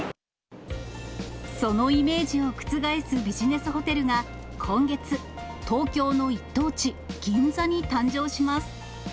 そのイメージを覆すビジネスホテルが今月、東京の一等地、銀座に誕生します。